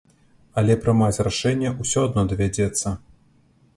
Але прымаць рашэнне ўсё адно давядзецца.